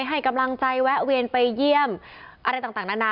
ให้กำลังใจแวะเวียนไปเยี่ยมอะไรต่างนานา